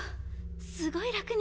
すごい楽に。